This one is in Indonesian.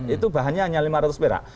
itu bahannya hanya lima ratus perak